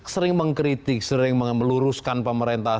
sering mengkritik sering meluruskan pemerintahan